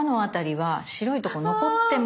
はい。